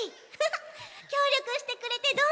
きょうりょくしてくれてどうもありがとち！